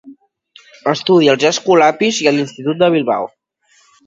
Estudià als Escolapis i a l'Institut de Bilbao.